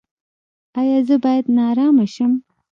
ایا زه باید نارامه شم؟